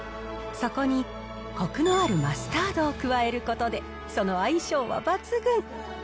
そこにこくのあるマスタードを加えることで、その相性は抜群。